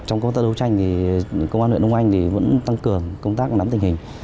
công an huyện đông anh cũng tăng cường công tác nắm tình hình